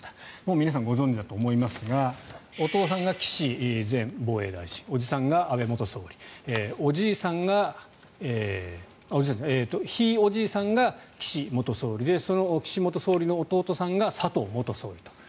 皆さん、ご存じだと思いますがお父さんが岸前防衛大臣伯父さんが安倍元総理ひいおじいさんが岸元総理でその岸元総理の弟さんが佐藤元総理と。